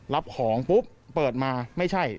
รับของปุ๊บเปิดมาไม่ใช่